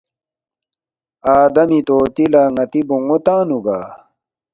آدمی طوطی لہ ن٘تی بون٘و تنگنُوگا